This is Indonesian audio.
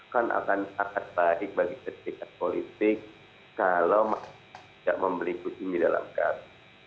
kan akan sangat baik bagi ketika politik kalau masih tidak memberi kursi di dalam kartu